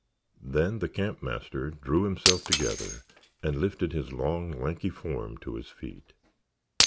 Then the camp master drew himself together and lifted his long, lanky form to his feet.